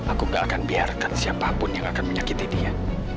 aku gak akan biarkan siapapun yang akan menyakiti dia